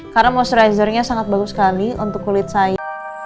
karena moisturizer nya sangat bagus sekali untuk kulit saya